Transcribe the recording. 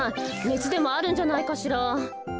ねつでもあるんじゃないかしら。